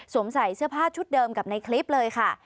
ใส่เสื้อผ้าชุดเดิมกับในคลิปเลยค่ะ